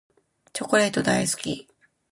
チョコレート大好き。